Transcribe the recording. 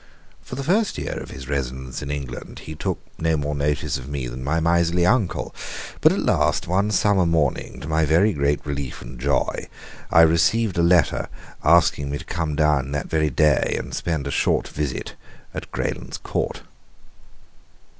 For the first year of his residence in England he took no more notice of me than my miserly uncle; but at last one summer morning, to my very great relief and joy, I received a letter asking me to come down that very day and spend a short visit at Greylands Court.